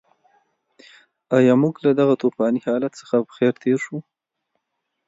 ایا موږ له دغه توپاني حالت څخه په خیر تېر شوو؟